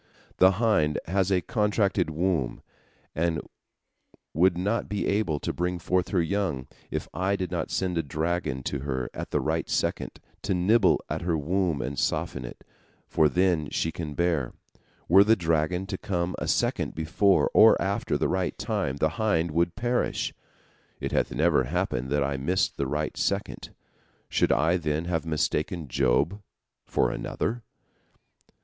The hind has a contracted womb, and would not be able to bring forth her young, if I did not send a dragon to her at the right second, to nibble at her womb and soften it, for then she can bear. Were the dragon to come a second before or after the right time, the hind would perish. It hath never happened that I missed the right second. Should I, then, have mistaken Job for another?"